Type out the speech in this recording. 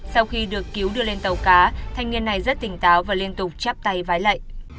sau khi được cứu đưa lên tàu cá thanh niên này rất tỉnh táo và liên tục chắp tay vái lậy